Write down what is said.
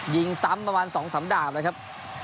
ยิงซ้ำประมาณ๒๓ดาบเลยครับ